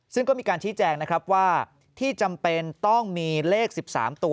ซึ่งก็มีการชี้แจงนะครับว่าที่จำเป็นต้องมีเลข๑๓ตัว